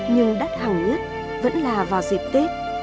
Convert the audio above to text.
nhưng đắt hàng nhất vẫn là vào dịp tết